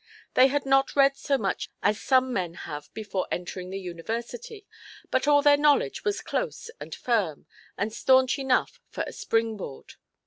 They had not read so much as some men have before entering the University, but all their knowledge was close and firm, and staunch enough for a spring–board.